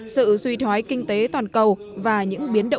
sự duy thoái kinh tế toàn cầu và những biến động lớn